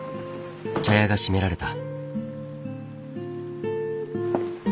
茶屋が閉められた。